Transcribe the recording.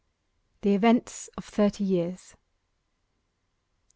THE EVENTS OF THIRTY YEARS 1.